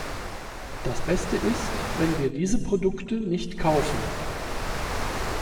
Das Beste ist, wenn wir diese Produkte nicht kaufen.